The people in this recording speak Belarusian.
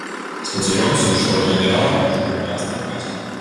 Спадзяёмся, што ад генерала пачуем ясны адказ.